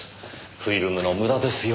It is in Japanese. フィルムの無駄ですよ。